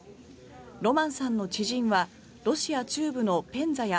ロマンさんの知人はロシア中部のペンザや